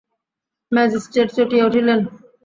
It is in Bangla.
ম্যাজিস্ট্রেট চটিয়া উঠিলেন।